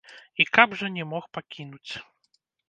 І каб жа не мог пакінуць.